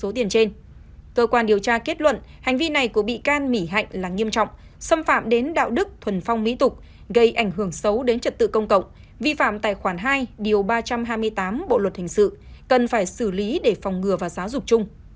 cơ quan điều tra kết luận hành vi này của bị can mỹ hạnh là nghiêm trọng xâm phạm đến đạo đức thuần phong mỹ tục gây ảnh hưởng xấu đến trật tự công cộng vi phạm tài khoản hai điều ba trăm hai mươi tám bộ luật hình sự cần phải xử lý để phòng ngừa và giáo dục chung